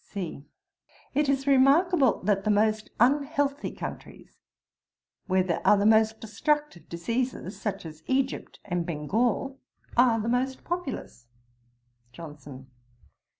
C. 'It is remarkable that the most unhealthy countries, where there are the most destructive diseases, such as Egypt and Bengal, are the most populous.' JOHNSON.